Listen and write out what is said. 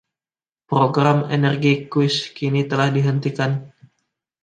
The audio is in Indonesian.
Program Energy Quest kini telah dihentikan.